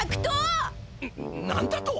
何だと？